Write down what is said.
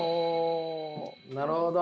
なるほど。